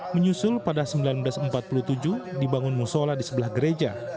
menyusul pada seribu sembilan ratus empat puluh tujuh dibangun musola di sebelah gereja